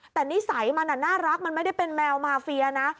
แต่นิสัยมันน่ารักมันไม่ได้เป็นแมวมาเฟียนะ